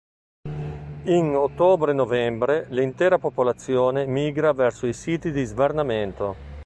In ottobre-novembre l'intera popolazione migra verso i siti di svernamento.